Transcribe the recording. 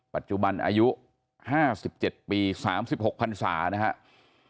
ปัจจุบันอายุ๕๗ปี๓๖พันศานะครับ